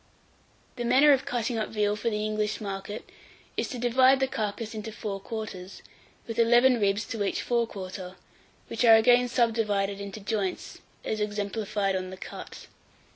854. THE MANNER OF CUTTING UP VEAL for the English market is to divide the carcase into four quarters, with eleven ribs to each fore quarter; which are again subdivided into joints as exemplified on the cut.